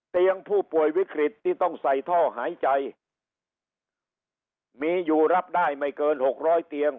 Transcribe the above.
ผู้ป่วยวิกฤตที่ต้องใส่ท่อหายใจมีอยู่รับได้ไม่เกินหกร้อยเตียง